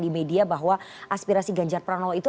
di media bahwa aspirasi ganjar peran lawa itu